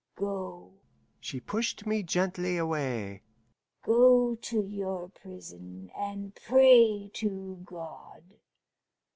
Go," she pushed me gently away "go to your prison, and pray to God.